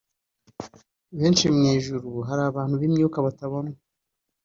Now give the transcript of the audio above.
benshi. mu ijuru hari abantu b’imyuka batabonwa